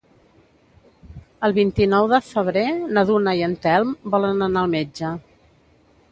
El vint-i-nou de febrer na Duna i en Telm volen anar al metge.